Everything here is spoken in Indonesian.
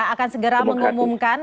akan segera mengumumkan